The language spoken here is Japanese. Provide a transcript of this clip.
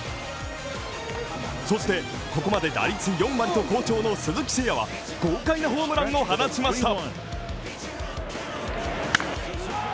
そして、ここまで打率４割と好調の鈴木誠也は豪快なホームランを放ちました。